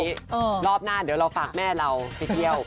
เอายังงี้รอบหน้าเดี๋ยวเราฝากแม่เราไปเที่ยว